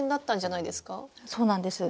そうなんです。